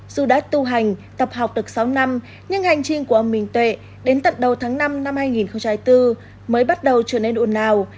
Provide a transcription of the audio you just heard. dù đã tu hành tập học được sáu năm nhưng hành trình của ông minh tuệ đến tận đầu tháng năm năm hai nghìn hai mươi bốn mới bắt đầu trở nên ồn ào